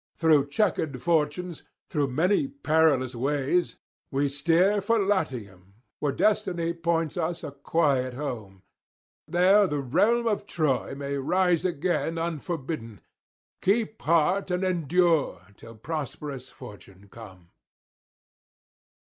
Through chequered fortunes, through many perilous ways, we steer for Latium, where destiny points us a quiet home. There the realm of Troy may rise again unforbidden. Keep heart, and endure till prosperous fortune come.'